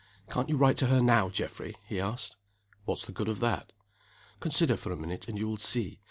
"Can't you write to her now, Geoffrey?" he asked. "What's the good of that?" "Consider for a minute, and you will see.